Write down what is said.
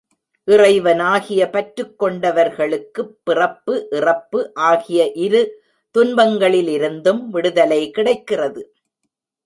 இறைவனாகிய பற்றுக்கொண்டவர்களுக்குப் பிறப்பு, இறப்பு ஆகிய இரு துன்பங்களிலிருந்தும் விடுதலை கிடைக்கிறது.